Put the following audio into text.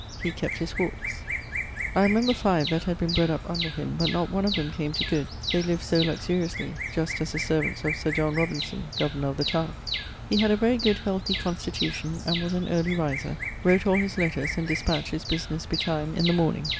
He kept his hawkes. I remember five that had been bred up under him, but not one of them came to good, they lived so luxuriously, just as the servants of Sir John Robinson, governor of the Tower. He had a very good healthy constitution, and was an early riser; wrote all his letters and dispatched his businesse betime in the morning.